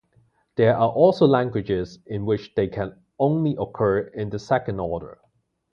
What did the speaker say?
There are also languages in which they can only occur in the second order.